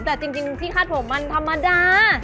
แต่จริงที่คาดผมมันธรรมดา